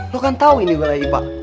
lo kan tau ini wilayah ipa